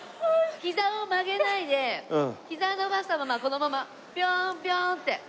膝を曲げないで膝を伸ばしたままこのままピョンピョンって。